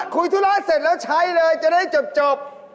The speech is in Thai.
ธุระเสร็จแล้วใช้เลยจะได้จบ